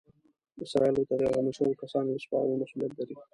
اسرائیلو ته د یرغمل شویو کسانو د سپارلو مسؤلیت لري.